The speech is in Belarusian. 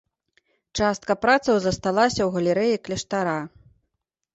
Частка працаў засталася ў галерэі кляштара.